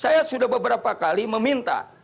saya sudah beberapa kali meminta